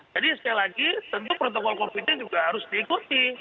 sekali lagi tentu protokol covid nya juga harus diikuti